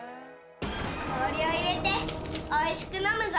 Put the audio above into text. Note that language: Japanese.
氷を入れておいしく飲むぞ。